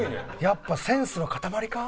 「やっぱセンスの塊か？」